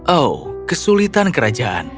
oh kesulitan kerajaan